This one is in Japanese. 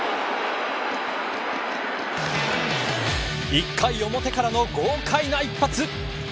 １回表からの豪快な一発。